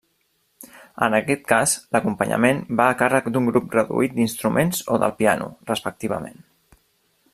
En aquest cas, l'acompanyament va a càrrec d'un grup reduït d'instruments o del piano, respectivament.